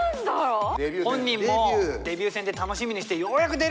本人もデビュー戦で楽しみにしてようやく出れる。